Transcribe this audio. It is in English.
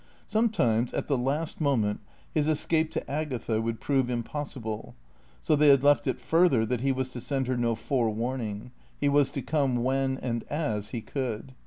Sometimes, at the last moment, his escape to Agatha would prove impossible; so they had left it further that he was to send her no forewarning; he was to come when and as he could.